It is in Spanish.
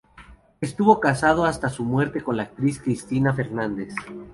Estuvo casado hasta su muerte con la actriz Cristina Fernández.